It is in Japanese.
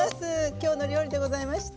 「きょうの料理」でございました。